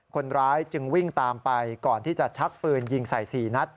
คนร้ายจึงวิ่งตามไปก่อนที่จะชักปืนยิงใส่๔นัด